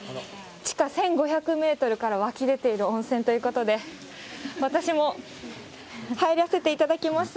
地下１５００メートルから湧き出ている温泉ということで、私も入らせていただきます。